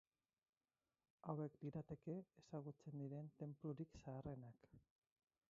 Hauek lirateke ezagutzen diren tenplurik zaharrenak.